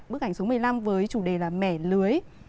bức ảnh số một mươi năm với chủ đề là mẻ lưới